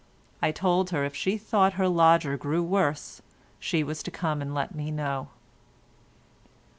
I told her if she thought her lodger grew worse, she was to come and let me know.